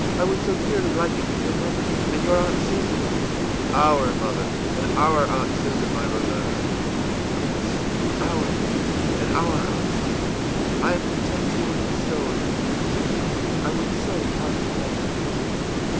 I would so dearly like it if your mother and your Aunt Susan î ìOur mother and our Aunt Susan, my Rosannah.î ìYes, our mother and our Aunt Susan I am content to word it so if it pleases you; I would so like to have them present.